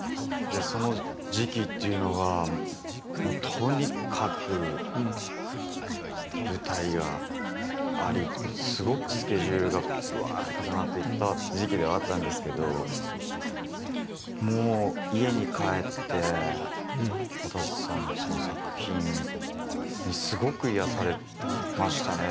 その時期っていうのがもうとにかく舞台がありすごくスケジュールがぶわって重なっていた時期ではあったんですけどもう家に帰ってわたせさんの作品にすごく癒やされましたね。